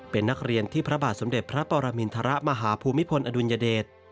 เป็นนักเรียนที่พระบาทสมเด็จพระปรมินทรมาหาภูมิพลอดุลยเดช